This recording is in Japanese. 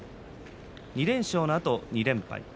２連勝のあと２連敗です。